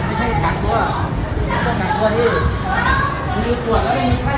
ตอนที่สุดมันกลายเป็นสิ่งที่ไม่มีความคิดว่า